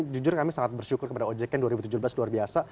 jujur kami sangat bersyukur kepada ojk dua ribu tujuh belas luar biasa